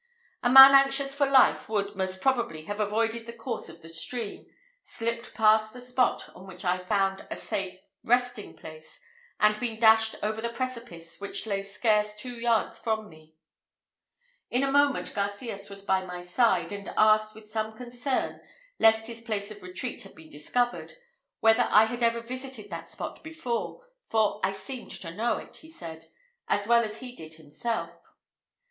A man anxious for life would, most probably, have avoided the course of the stream, slipped past the spot on which I found a safe resting place, and been dashed over the precipice which lay scarce two yards from me. In a moment Garcias was by my side, and asked, with some concern lest his place of retreat had been discovered, whether I had ever visited that spot before, for I seemed to know it, he said, as well as he did himself.